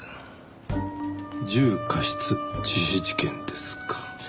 重過失致死事件ですか。